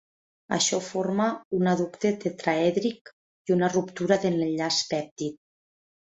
Això forma un adducte tetraèdric i una ruptura de l'enllaç pèptid.